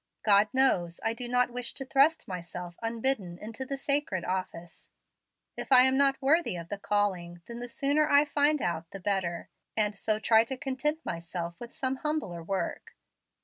God knows I do not wish to thrust myself unbidden into the sacred office. If I am not worthy of the calling, then the sooner I find it out the better, and so try to content myself with some humbler work.